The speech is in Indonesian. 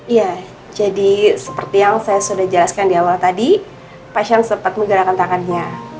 iya jadi seperti yang saya sudah jelaskan di awal tadi pasien sempat menggerakkan tangannya